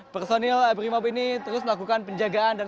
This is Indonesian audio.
personil brimob ini terus melakukan penjagaan